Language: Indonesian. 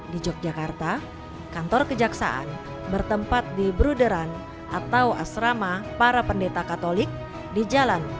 di yogyakarta kantor kejaksaan bertempat di bruderan atau asrama para pendeta katolik di jalan